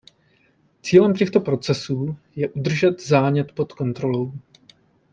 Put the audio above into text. Cílem těchto procesů je udržet zánět pod kontrolou.